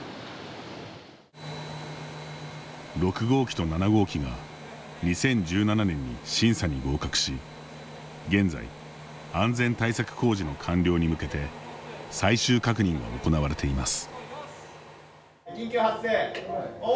６号機と７号機が２０１７年に審査に合格し、現在安全対策工事の完了に向けて最終確認が行われています。